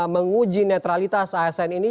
menguji neutralitas asn ini